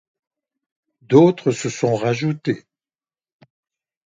D'autres se sont rajoutés.